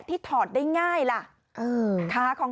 โอ้โหโอ้โห